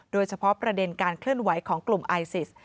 โดยเฉพาะประเด็นการเคลื่อนไหวของกลุ่มไอซิส